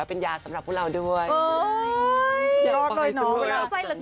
เป็นยาสำหรับพวกเราด้วยโอ้ยรอดด้วยเนอะเดี๋ยวเราใส่หลัง